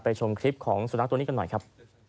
ชมคลิปของสุนัขตัวนี้กันหน่อยครับ